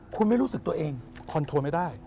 คุณไม่รู้สึกตัวเองคอนโทรไม่ได้